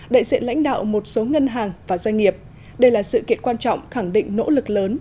đại diện lãnh đạo một số ngân hàng và doanh nghiệp đây là sự kiện quan trọng khẳng định nỗ lực lớn